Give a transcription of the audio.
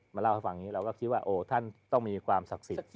เล่าให้ฟังอย่างนี้เราก็คิดว่าโอ้ท่านต้องมีความศักดิ์สิทธิ์